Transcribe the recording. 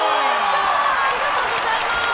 ありがとうございます！